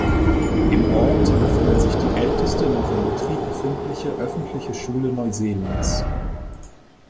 Im Ort befindet sich die älteste noch im Betrieb befindliche öffentliche Schule Neuseelands.